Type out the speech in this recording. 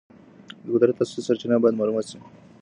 د قدرت اصلي سرچینه باید معلومه سي.